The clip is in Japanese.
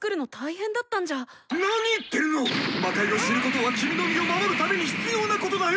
魔界を知ることは君の身を守るために必要なことだよ！